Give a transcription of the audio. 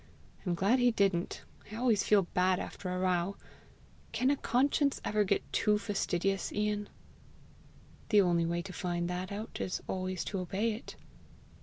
I'm glad he didn't: I always feel bad after a row! Can a conscience ever get too fastidious, Ian?" "The only way to find that out is always to obey it."